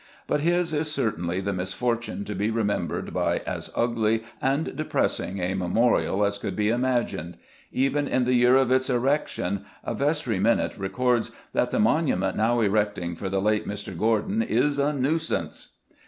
But his is certainly the misfortune to be remembered by as ugly and depressing a memorial as could be imagined. Even in the year of its erection a vestry minute records "that the monument now erecting for the late Mr. Gordon is a nuisance"!